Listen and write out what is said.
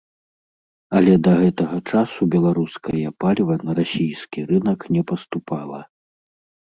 Але да гэтага часу беларускае паліва на расійскі рынак не паступала.